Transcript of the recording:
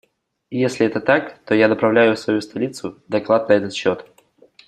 Если это так, то я направлю в свою столицу доклад на этот счет.